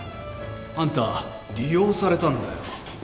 あんた利用されたんだよ。